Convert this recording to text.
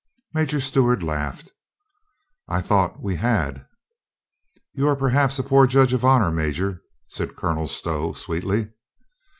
Major Stewart laughed. "J thought we had." "You are perhaps a poor judge of honor, Major," said Colonel Stow sweetly.